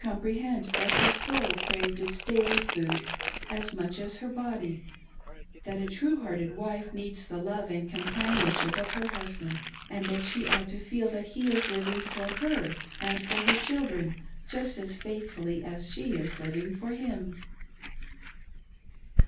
465 comprehend that her soul craved its daily food as much as her body — that a true hearted wife needs the love and compan ionship of her husband ; and that she ought to feel that he is living for her and for her children, just as faithfully as she is living for him.